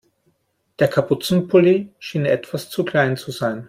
Der Kapuzenpulli schien etwas zu klein zu sein.